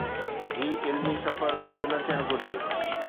هي علمي سفر بند نه ٿيڻ گهرجي.